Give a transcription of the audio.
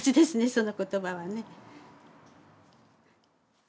その言葉はね。